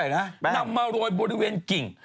นำมาโรยบริเวณกิ่ง